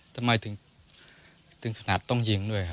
แต่ไม่ถึงขนาดต้องยิงด้วยค่ะ